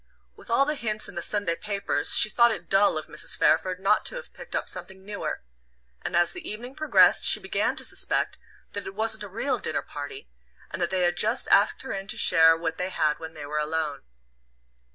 With all the hints in the Sunday papers, she thought it dull of Mrs. Fairford not to have picked up something newer; and as the evening progressed she began to suspect that it wasn't a real "dinner party," and that they had just asked her in to share what they had when they were alone.